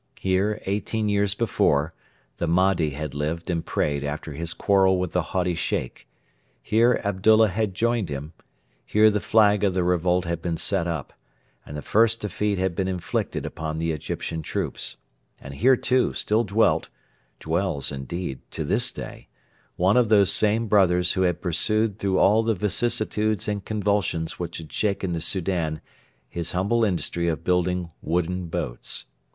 Here, eighteen years before, the Mahdi had lived and prayed after his quarrel with the haughty Sheikh; here Abdullah had joined him; here the flag of the revolt had been set up, and the first defeat had been inflicted upon the Egyptian troops; and here, too, still dwelt dwells, indeed, to this day one of those same brothers who had pursued through all the vicissitudes and convulsions which had shaken the Soudan his humble industry of building wooden boats.